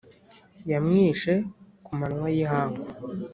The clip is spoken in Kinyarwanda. yamwishe ku manywa y ihangu.